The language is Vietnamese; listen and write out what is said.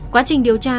quá trình điều tra